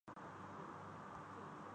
بادل تب ہی چھٹیں گے۔